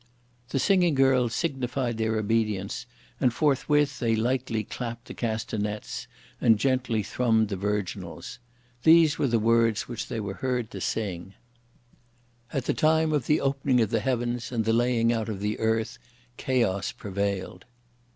The singing girls signified their obedience, and forthwith they lightly clapped the castagnettes and gently thrummed the virginals. These were the words which they were heard to sing: At the time of the opening of the heavens and the laying out of the earth chaos prevailed.